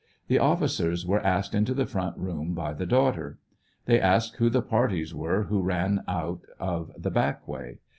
The officers were asked into the front room by the daughter. They asked who the parties were who ran out of the back way.